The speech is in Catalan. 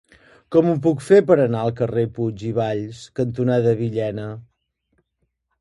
Com ho puc fer per anar al carrer Puig i Valls cantonada Villena?